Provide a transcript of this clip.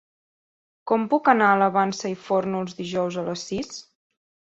Com puc anar a la Vansa i Fórnols dijous a les sis?